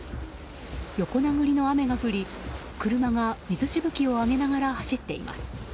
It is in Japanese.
横殴りの雨が降り車が水しぶきを上げながら走っています。